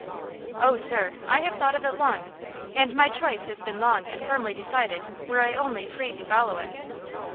"Oh, sir, I have thought of it long, and my choice has been long and firmly decided, were I only free to follow it."